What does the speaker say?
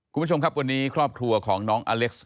คุณผู้ชมครับวันนี้ครอบครัวของน้องอเล็กซ์